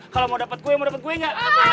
kalau mau dapat kue mau dapat kuenya